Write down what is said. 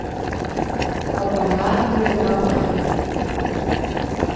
Аҟәараан уи агәамԥхеит.